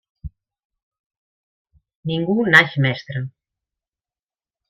Ningú naix mestre.